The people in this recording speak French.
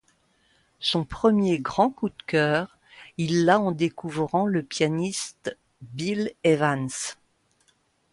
Son premier grand coup de cœur, il l'a en découvrant le pianiste Bill Evans.